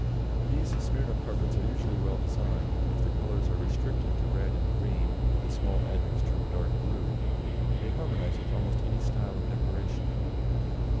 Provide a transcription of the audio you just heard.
These Smyrna carpets are usually well designed; and if their colors be restricted to red and green, with small admixture of dark blue, they harmonize with almost any style of decoration.